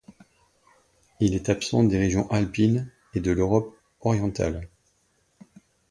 Il est absent des régions alpines et de l'Europe orientale.